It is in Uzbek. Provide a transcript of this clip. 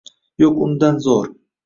Yo’q undan zo’r